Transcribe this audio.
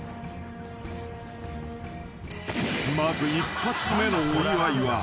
［まず１発目のお祝いは］